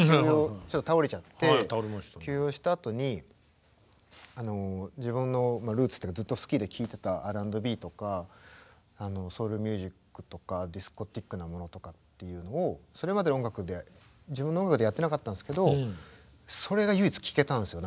ちょっと倒れちゃって休養したあとに自分のルーツっていうかずっと好きで聴いてたＲ＆Ｂとかソウルミュージックとかディスコティックなものとかっていうのをそれまでの音楽で自分の音楽でやってなかったんですけどそれが唯一聴けたんですよ。